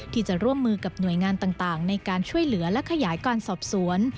ที่จะร่วมมือกับหน่วยงานต่างในการช่วยเหลือและขยายการสอบสวน